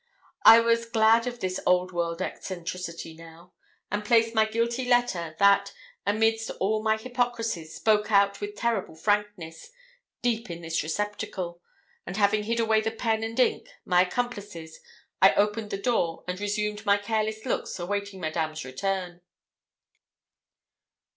I was glad of this old world eccentricity now, and placed my guilty letter, that, amidst all my hypocrisies, spoke out with terrible frankness, deep in this receptacle, and having hid away the pen and ink, my accomplices, I opened the door, and resumed my careless looks, awaiting Madame's return.